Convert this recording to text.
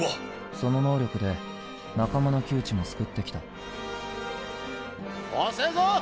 その能力で仲間の窮地も救ってきたおせえぞ！